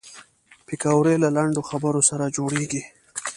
پکورې له لنډو خبرو سره جوړېږي